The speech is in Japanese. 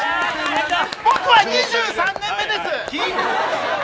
僕は２３年目です！